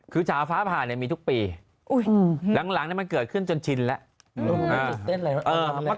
คือจ๋าฟ้าผ่าเนี่ยมีทุกปีหลังมันเกิดขึ้นจนชินแล้ว